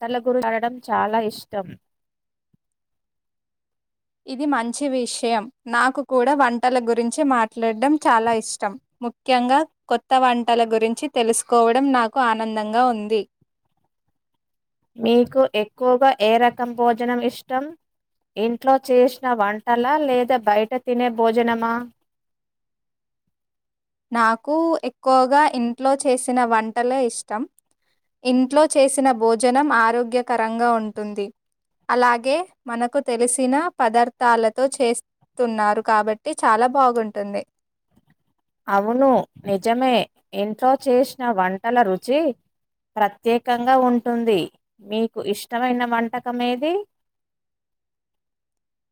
తల గురు ఆడడం చాలా ఇష్టం ఇది మంచి విషయం నాకు కూడా వంటల గురించి మాట్లాడడం చాలా ఇష్టం ముఖ్యంగా కొత్త వంటల గురించి తెలుసుకోవడం నాకు ఆనందంగా ఉంది నీకు ఎక్కువగా ఏ రకం భోజనం ఇష్టం ఇంట్లో చేసిన వంటలా లేదా బయట తినే భోజనమా నాకు ఎక్కువగా ఇంట్లో చేసిన వంటలే ఇష్టం ఇంట్లో చేసిన భోజనం ఆరోగ్యకరంగా ఉంటుంది అలాగే మనకు తెలిసిన పదార్థాలతో చేస్తున్నారు కాబట్టి చాలా బాగుంటుంది అవును నిజమే ఇంట్లో చేసిన వంటల రుచి ప్రత్యేకంగా ఉంటుంది మీకు ఇష్టమైన వంటకం ఏది [inaudible]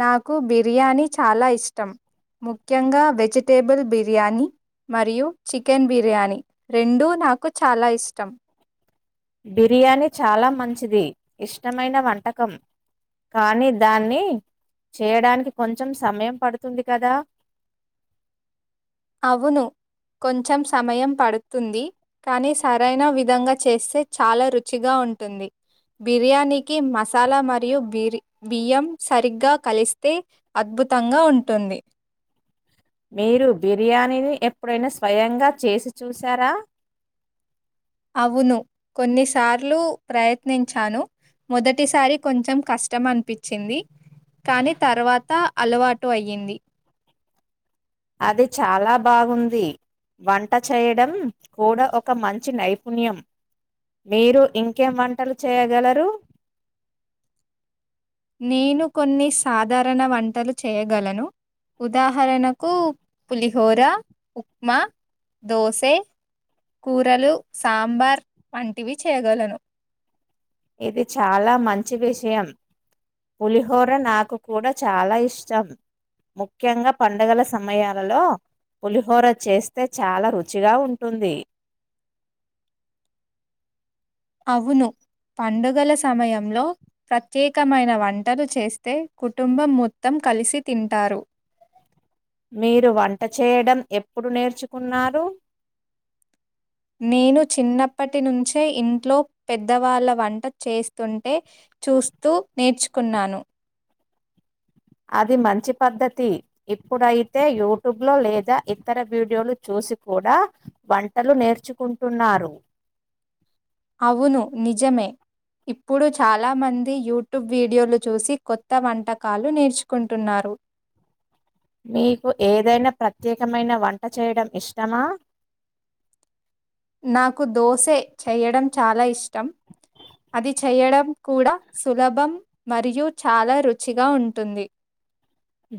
నాకు బిర్యానీ చాలా ఇష్టం ముఖ్యంగా వెజిటేబుల్ బిర్యానీ మరియు చికెన్ బిర్యానీ రెండూ నాకు చాలా ఇష్టం బిర్యానీ చాలా మంచిది ఇష్టమైన వంటకం కానీ దాన్ని చేయడానికి కొంచెం సమయం పడుతుంది కదా [inaudible] అవును కొంచెం సమయం పడుతుంది కానీ సరైన విధంగా చేస్తే చాలా రుచిగా ఉంటుంది బిర్యానీకి మసాలా మరియు బిరి బియ్యం సరిగ్గా కలిస్తే అద్భు అద్భుతంగా ఉంటుంది మీరు బిర్యానీని ఎప్పుడైనా స్వయంగా చేసి చూశారా అవును కొన్నిసార్లు ప్రయత్నించాను మొదటిసారి కొంచెం కష్టం అనిపించింది కాని తర్వాత అలవాటు అయ్యింది అది చాలా బాగుంది వంట చేయడం కూడా ఒక మంచి నైఫ ణ్యం మీరు ఇంకేం వంటలు చేయగలరు నేను కొన్ని సాధారణ వంటలు చేయగలను ఉదాహరణకు పులిహోర ఉప్మా దోసె కూరలు సాంబార్ వంటివి చేయగలను ఇది చాలా మంచి విషయం పులిహోర నాకు కూడా చాలా ఇష్టం ముఖ్యంగా పండుగల సమయాలలో పులిహోర చేస్తే చాలా రుచిగా ఉంటుంది అవును పండుగల సమయంలో ప్రత్యేకమైన వంటలు చేస్తే కుటుంబం మొత్తం కలిసి తింటారు మీరు వంట చేయడం ఎప్పుడు నేర్చుకున్నారు నేను చిన్నప్పటి నుంచే ఇంట్లో పెద్దవాళ్ళ వంట చేస్తుంటే చూసు చూస్తూ నేర్చుకున్నాను అది మంచి పద్ధతి ఇప్పుడైతే యూట్యూబ్ లో లేదా ఇతర వీడియోలు చూ చూసి కూడా వంటలు నేర్చుకుంటున్నారు అవును నిజమే ఇప్పుడు చాలా మంది యూట్యూబ్ వీడియోలు చూసి కొత్త వంటకాలు నేర్చుకుంటున్నారు మీకు ఏదైనా ప్రత్యేకమైన వంట చేయడం ఇష్టమా నాకు దోసె చెయడం చాలా ఇష్టం అది చేయడం కూడా సులభం మరియు చాలా రుచిగా ఉంటుంది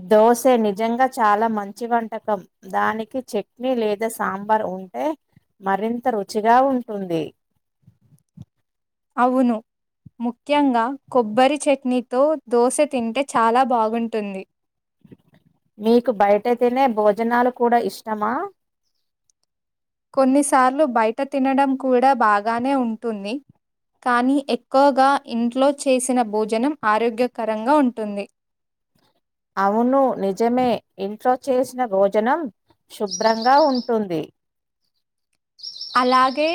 దోస నిజంగా చాలా మంచి వంటకం దానికి చట్నీ లేదా సాంబార్ ఉంటే మరింత రుచిగా ఉంటుంది అవును ముఖ్యంగా కొబ్బరి చట్నీతో దోశ తింటే చాలా బాగుంటుంది మీకు బయట తినే భోజనాలు కూడా ఇష్టమా కొన్నిసార్లు బయట తినడం కూడా బాగానే ఉంటుంది కానీ, ఎక్కువగా ఇంట్లో చేసిన భోజనం ఆరోగ్యకరంగా ఉంటుంది. అవును నిజమే ఇంట్లో చేసిన భోజనం శుభ్రంగా ఉంట్. టుంది. అలాగే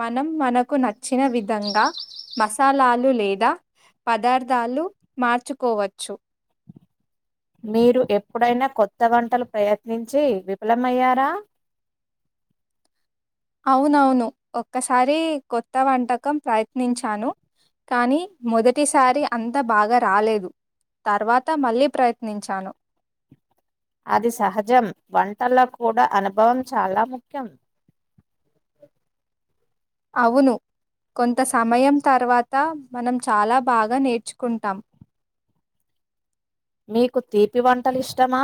మనం మనకు నచ్చిన విధంగా. మసాలాలు లేదా పదార్థాలు మార్చుకోవచ్చు. మీరు ఎప్పుడైనా కొత్త వంటలు ప్రయత్నించి విఫలమయ్యారా? [inaudible] అవునవును ఒక్కసారి కొత్త వంటకం ప్రయత్నించాను. కానీ మొదటిసారి అంతా బాగా రాలేదు. తర్వాత మళ్ళీ ప్రయత్నించాను అది సహజం వంటల కూడా అనుభవం చాలా ముఖ్యం అవును కొంత సమయం తర్వాత మనం చాలా బాగా నేర్చుకుంటాం మీీకు తీపి వంటలి ఇష్టమా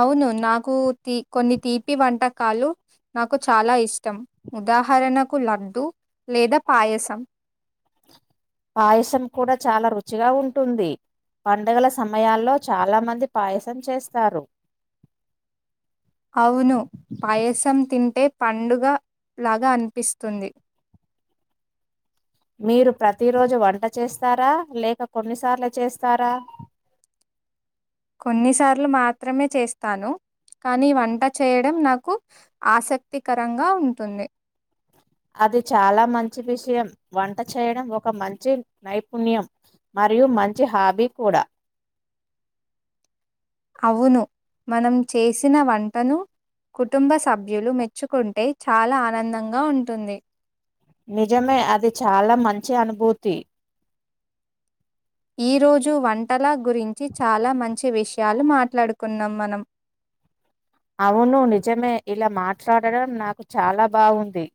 అవును నాకు తీ కొన్ని తీపి వంటకాలు నాకు చాలా ఇష్టం ఉదాహరణకు లడ్డు లేదా పాయసం పాయసం కూడా చాలా రుచిగా ఉంటుంది పడుగల సమయాల్లో చాలా మంది పాయసం చేస్తారు అవును పాయసం తింటే పండుగ లాగా అనిపిస్తుంది మీరు ప్రతిరోజు వంట చేస్తారా లేక కొన్నిసార్లు చేస్తారా కొన్నిసార్లు మాత్రమే చేస్తాను కానీ వంట చేయడం నాకు ఆసక్తికరంగా ఉంటుంది అది చాలా మంచి విషయం వంట చేయడం ఒక మంచి నైపుణ్యం మరియు మంచి హాబీ కూడా అవును మనం చేసిన వంటను కుటుంబ సభ్యులు మెచ్చుకుంటే చాలా ఆనందంగా ఉంటుంది నిజమే అది చాలా మంచి అనుభూతి ఈరోజు వంటలా గురించి చాలా మంచి విషయాలు మాట్లాడుకున్నాం మనం అవును నిజమే ఇలా మాట్లాడడం నాకు చాలా బావుంది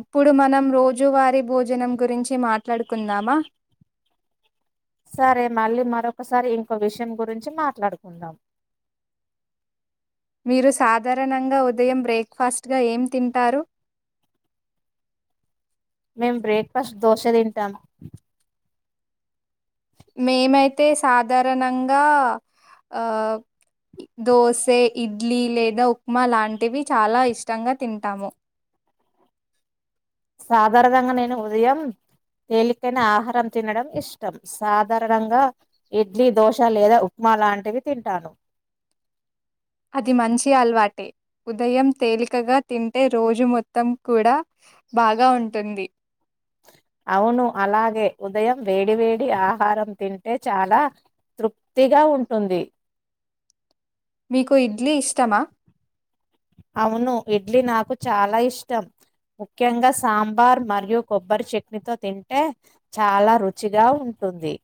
ఇప్పుడు మనం రోజువరి భోజనం గురించి మాట్లాడుకుందామా సరే మళ్ళీ మరొకసారి ఇంకో విషయం గురించి మాట్లాడుకుందాం మీరు సాధారణంగా ఉదయం బ్రేక్ఫాస్ట్గా ఏం తింటారు మేము బ్రేక్ఫాస్ట్ దోశ తింటాం మేమైతే సాధారణంగా ఆ దోసే ఇడ్లీ లేదా ఉప్మా లాంటివి చాలా ఇష్టంగా తింటాము సాధారణగా నేను ఉదయం తేలికైన ఆహారం తినడం ఇష్టం సాధారణంగా ఇడ్లీ దోశ లేదా ఉప్మా అలాంటివి తింటాను అది మంచి అలవాటే ఉదయం తేలికగా తింటే రోజు మొత్తం కూడా బాగా ఉంటుంది అవును అలాగే ఉదయం వేడి వేడి ఆహారం తింటే చాలా తృప్తిగా ఎలా ఉంటుంది మీకు ఇడ్లీ ఇష్టమా అవును ఇడ్లీ నాకు చాలా ఇష్టం ముఖ్యంగా సాంబార్ మరియు కొబ్బరి చట్నీతో తింటే చాలా రుచిగా ఉ స్తుంది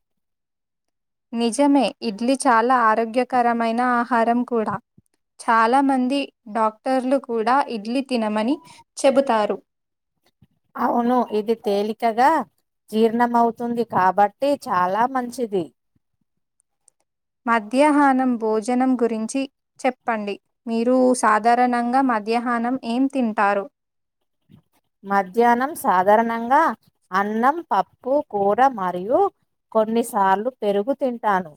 నిజమే ఇడ్లీ చాలా ఆరోగ్యకరమైన ఆహారం కూడా చాలా మంది డాక్టర్లు కూడా ఇడ్లి అవును ఇది తేలికగా జీర్ణం అవుతుంది కాబట్టి చాలా మంచిది మధ్యాహ్నం భోజనం గురించి చెప్పండి మీరు సాధారణంగా మ మధ్యాహ్నం ఏం తింటారు మధ్యాహ్నం సాధారణంగా అన్నం పప్పు కూర మరియు కొన్నిసార్లు పెరుగు తింటాను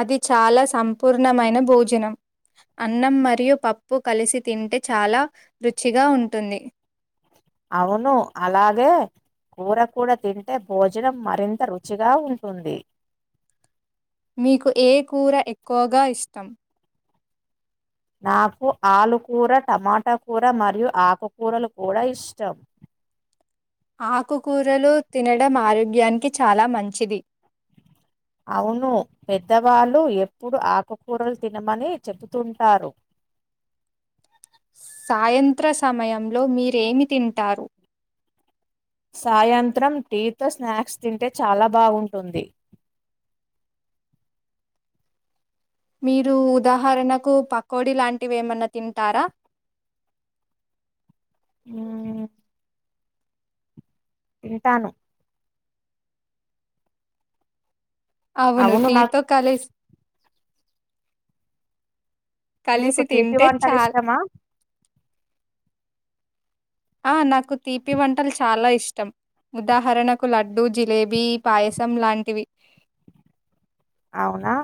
అది చాలా సంపూర్ణమైన భోజనం అన్నం మరియు పప్పు కలిసి తింటే చాలా రుచిగా ఉంటుంది అవును అలాగే కూర కూడా తింటే భోజనం మరింత రుచిగా ఉంటుంది మీకు ఏ కూర ఎక్కువగా ఇష్టం నాకు ఆలుకూర టమాటా కూూర మరియు ఆకుకూరలు కూడా ఇష్టం ఆకుకూరలు తినడం ఆరోగ్యానికి చాలా మంచిది అవును పెద్దవాళ్ళు ఎప్పుడు ఆకుకూరలు తినమని చెబుతుంటారు సాయంత్ర సమయంలో మీరేమి తింటారు సాయంత్రం టీ తో స్నాక్స్ తింటే చాలా బాగుంటుంది మీరు ఉదాహరణకు పకోడి లాంటివి ఏమన్నా తింటారా ఉమ్ తింటాను అవును నాకు అవునుటిటీతో కాల మీకు కలిసి తీపి తింటే వంటలు చాలా ఇష్టమా ఆ నాకు తీపి వంటలు చాలా ఇష్టం ఉదాహరణకు లడ్డు జిలేబీ పాయసం లాంటివి అవునా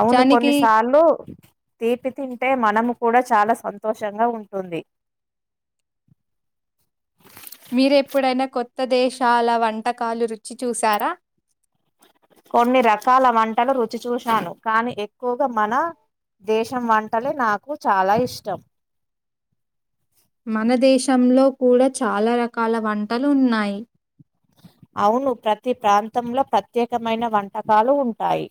అవును నిజానికి కొన్నిసార్లు తీపి తింటే మనము కూడా చాలా సంతోషంగా ఉంటుంది మీరెప్పుడైనా కొత్త దేశాల వంటకాలు రుచి చూశారా కొన్ని రకాల వంటలు రుచి చూశాను కానీ ఎక్కువగా మన దేశం వంటలే నాకు చాలా ఇష్టం మన దేశంలో కూడా చాలా రకాల వంటలు ఉన్నాయి అవును ప్రతి ప్రాంతంలో ప్రత్యేకమైన వంటకాలు ఉంటాయి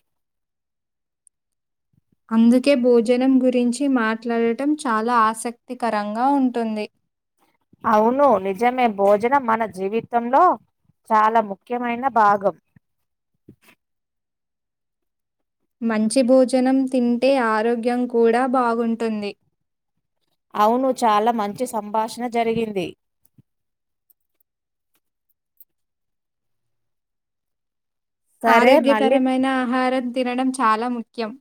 అందుకే భోజనం గురించి మాట్లాడటం చాలా ఆసక్తికరంగా ఉంటుంది అవును నిజమే భోజనం మన జీవితంలో చాలా ముఖ్యమైన భాగం మంచి భోజనం తింటే ఆరోగ్యం కూడా బాగుంటుంది. అవును చాలా మంచి సంభాషణ జరిగింది. సరే మళ్ళీ ఆరోగ్యకరమైన ఆహారం తినడం చాలా ముఖ్యం.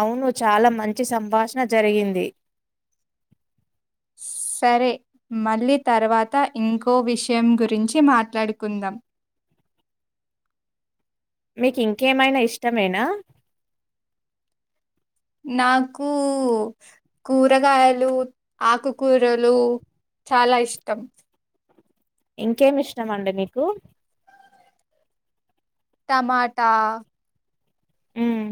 అవును చాలా మంచి సంభాషణ జరిగింది. సరే, మళ్ళీ తర్వాత ఇంకో విషయం గురించి మాట్లాడుకుందాం. మీకు, ఇంకేమైనా ఇష్టమేనా? నాకూ, కూరగాయలు, ఆకుకూరలు. చాలా ఇష్టం. ఇంకేమి ఇష్టమ అండి మీకు టమాటా ఉమ్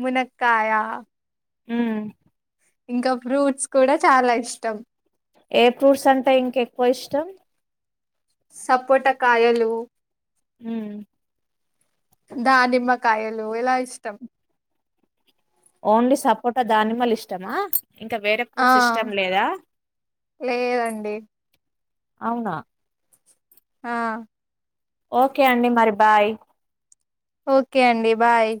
మునక్కయా. హ్మ్ ఇంకా, ఫ్రూట్స్ కూడా చాలా ఇష్టం. ఏ ఫ్రూట్స్ అంటే ఇంక ఎక్కువ ఇష్టం? సపోట కాయలు! హ్మ్ దానిమ్మకాయలు ఇలా ఇష్టం. ఓన్లీ సపోటా దానిమ్మలు ఇష్టమా? ఇంకా వేరే ఆ ఫ్రూట్స్ ఇష్టం లేదా? లేదండి. అవునా? ఆ ఓకే అండి, మరి బాయ్. ఓకే అండి, బాయ్.